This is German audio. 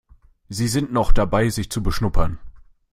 Sie sind noch dabei, sich zu beschnuppern.